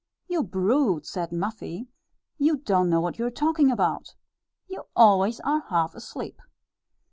"You brute!" said Muffie. "You don't know what you're talking about; you always are half asleep."